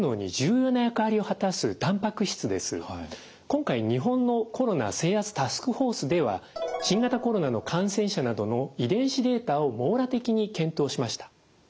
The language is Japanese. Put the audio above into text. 今回日本のコロナ制圧タスクフォースでは新型コロナの感染者などの遺伝子データを網羅的に検討しました。